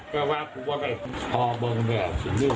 คุณผู้ชมค่ะเพราะว่าจะมากขอเท่าไหร่นะคะ